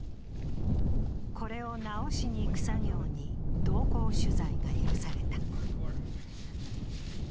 これを直しにいく作業に同行取材が許された。